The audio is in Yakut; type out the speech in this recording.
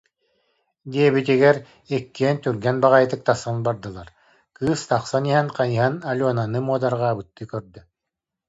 диэбитигэр иккиэн түргэн баҕайытык тахсан бардылар, кыыс тахсан иһэн, хайыһан Аленаны муодарҕаабыттыы көрдө